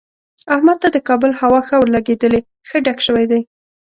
احمد ته د کابل هوا ښه ورلګېدلې، ښه ډک شوی دی.